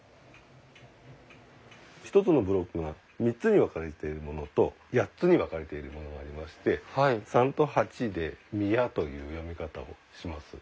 １つのブロックが３つに分かれているものと８つに分かれているものがありまして「３」と「８」で「みや」という読み方をします。